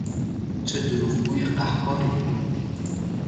چه دروغگوی قهاری!